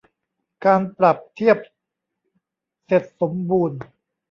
การปรับเทียบเสร็จสมบูรณ์